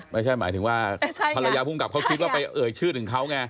หมายถึงว่าภรรยาภูมิกับเขาคิดว่าไปเอ่ยชื่อถึงเขาไง